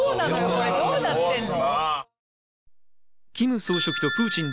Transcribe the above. これどうなってんの？